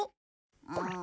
うん。